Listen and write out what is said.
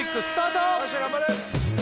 よっしゃ頑張れ！